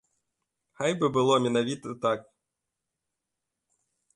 Хай бы было менавіта так!